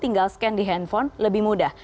tinggal scan di handphone lebih mudah